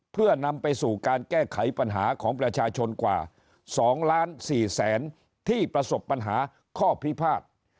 เพื่อนำไปสู่การแก้ไขปัญหาของประชาชนกว่า๒ล้าน๔แสนที่ประสบปัญหาข้อพิพาท